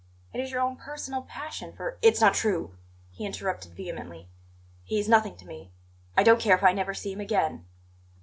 It is your own personal passion for " "It's not true!" he interrupted vehemently. "He is nothing to me; I don't care if I never see him again."